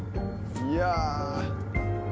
いや。